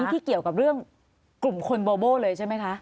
ที่เกี่ยวกับเรื่องกลุ่มคนโบโบ้เลยใช่ไหมคะ